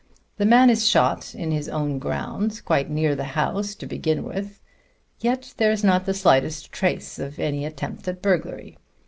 The man is shot in his own grounds, quite near the house, to begin with. Yet there's not the slightest trace of any attempt at burglary.